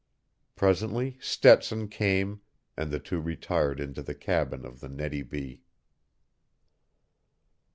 Presently Stetson came and the two retired into the cabin of the _Nettie B.